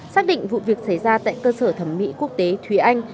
xác định vụ việc xảy ra tại cơ sở thẩm mỹ quốc tế thúy anh